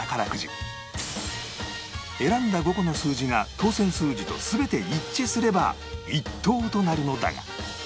選んだ５個の数字が当せん数字と全て一致すれば１等となるのだが